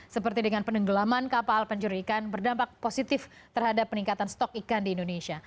seperti dengan penenggelaman kapal pencuri ikan berdampak positif terhadap peningkatan stok ikan di indonesia